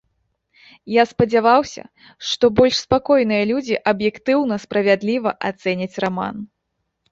Я спадзяваўся, што больш спакойныя людзі аб'ектыўна, справядліва ацэняць раман.